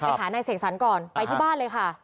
ไปหานายเสกสรรก่อนไปที่บ้านเลยค่ะ